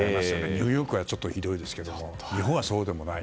ニューヨークはちょっとひどいですけども日本はそうでもない。